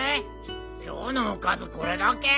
今日のおかずこれだけ？